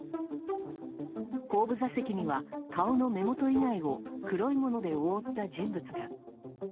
後部座席には顔の目元以外を黒いもので覆った人物が。